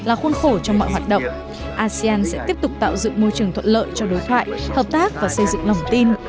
asean sẽ tiếp tục tạo dựng môi trường thuận lợi cho đối thoại hợp tác và xây dựng lòng tin